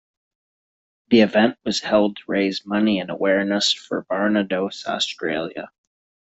The event was held to raise money and awareness for Barnardos Australia.